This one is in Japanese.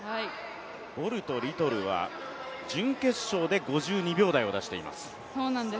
ボルとリトルは準決勝で５２秒台を出しています。